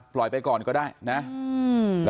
ปล่อยละครับ